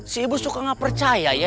si ibu suka nggak percaya ya